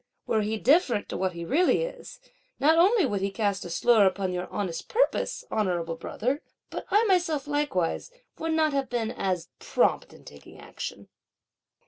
Were he different to what he really is, not only would he cast a slur upon your honest purpose, honourable brother, but I myself likewise would not have been as prompt in taking action."